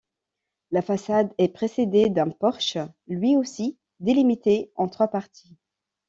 La façade est précédée d'un porche, lui aussi délimité en trois parties.